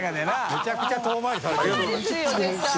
めちゃくちゃ遠回りされてる。